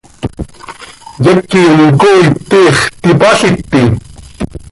¿Yequim cooit tiix tipaliti?